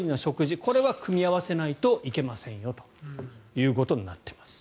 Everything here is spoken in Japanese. これは組み合わせないといけませんよということになっています。